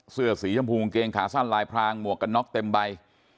เสื้อสีชมพูกางเกงขาสั้นลายพรางหมวกกันน็อกเต็มใบ